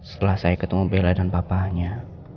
setelah saya ketemu bella dan bapaknya